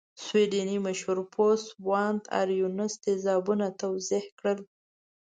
سویډنۍ مشهور پوه سوانت ارینوس تیزابونه توضیح کړل.